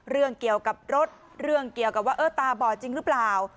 เรื่องเกี่ยวกับรถเรื่องเกี่ยวกับว่าเออตาบอดจริงหรือเปล่า